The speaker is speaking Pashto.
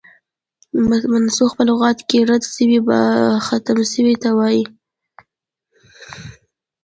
منسوخ په لغت کښي رد سوی، يا ختم سوي ته وايي.